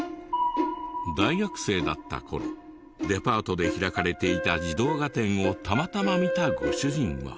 大学生だった頃デパートで開かれていた児童画展をたまたま見たご主人は。